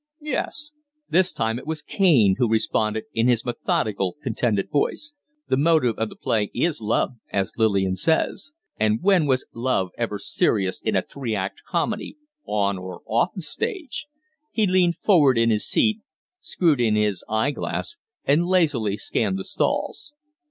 "Yes." This time it was Kaine who responded in his methodical, contented voice. "The motive of the play is love, as Lillian says. And when was love ever serious in a three act comedy on or off the stage?" He leaned forward in his seat, screwed in his eye glass, and lazily scanned the stalls.